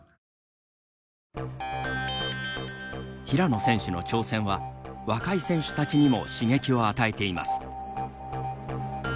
平野選手の挑戦は若い選手たちにも刺激を与えています。